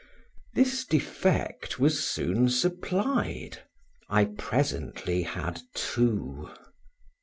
This defect was soon supplied; I presently had two.